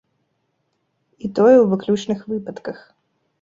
І тое ў выключных выпадках.